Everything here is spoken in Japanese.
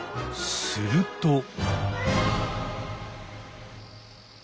すると。